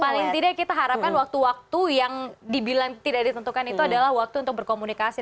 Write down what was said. paling tidak kita harapkan waktu waktu yang dibilang tidak ditentukan itu adalah waktu untuk berkomunikasi